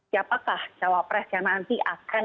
siapakah cawapres yang nanti akan